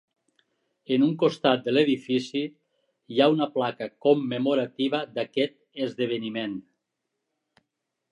En un costat de l'edifici hi ha una placa commemorativa d' aquest esdeveniment.